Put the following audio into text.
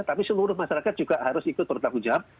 tapi seluruh masyarakat juga harus ikut bertanggung jawab